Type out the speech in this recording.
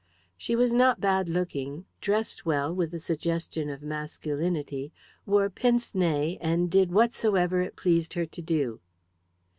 She was not bad looking; dressed well, with a suggestion of masculinity; wore pince nez, and did whatsoever it pleased her to do.